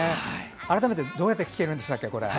改めて、どうやって聴けるんでしたっけ、これ。